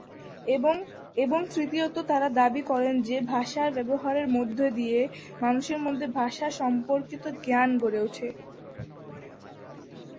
এবং তৃতীয়ত, তারা দাবী করেন যে ভাষার ব্যবহারের মধ্যে দিয়ে মানুষের মধ্যে ভাষা সম্পর্কিত জ্ঞান গড়ে ওঠে।